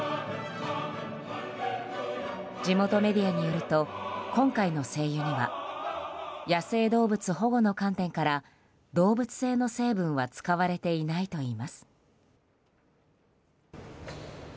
地元メディアによると今回の聖油には野生動物保護の観点から動物性の成分は使われていないといいます。